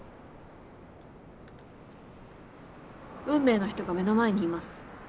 運命の人が目の前にいます。